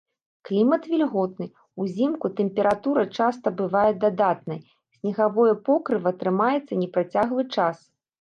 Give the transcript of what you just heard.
Клімат вільготны, узімку тэмпература часта бывае дадатнай, снегавое покрыва трымаецца непрацяглы час.